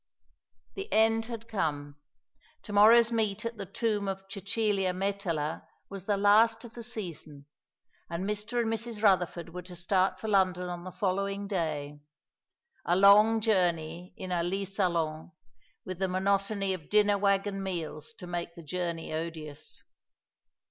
The end had come. To morrow's meet at the tomb of Cecilia Metella was the last of the season; and Mr. and Mrs. Rutherford were to start for London on the following day a long journey in a lit salon, with the monotony of dinner wagon meals to make the journey odious.